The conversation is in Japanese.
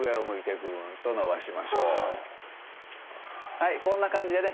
はいこんな感じでね